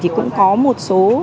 thì cũng có một số